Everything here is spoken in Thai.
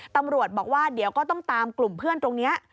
ตำรวจบอกว่าเดี๋ยวก็ต้องตามกลุ่มเพื่อนตรงนี้